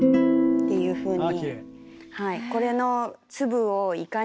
っていうふうに。